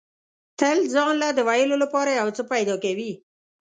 تل ځان له د ویلو لپاره یو څه پیدا کوي.